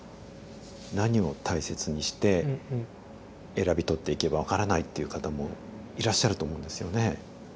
何を大切にして選び取っていけば分からないっていう方もいらっしゃると思うんですよね。